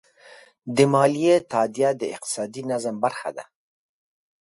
د مالیې تادیه د اقتصادي نظم برخه ده.